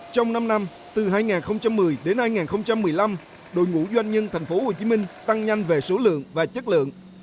trong năm năm từ hai nghìn một mươi đến hai nghìn một mươi năm đội ngũ doanh nhân tp hcm tăng nhanh về số lượng và chất lượng